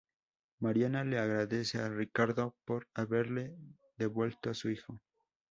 Mariana le agradece a Ricardo por haberle devuelto a su hijo.